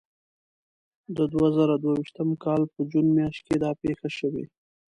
د دوه زره دوه ویشتم کال په جون میاشت کې دا پېښه شوې وه.